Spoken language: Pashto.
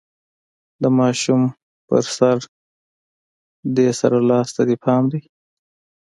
د ماشوم په سر، دې سره لاس ته دې پام دی؟